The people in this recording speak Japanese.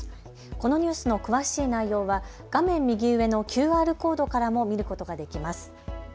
このニュースの詳しい内容は画面右上のＱＲコードからも見ることができます。